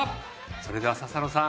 それでは笹野さん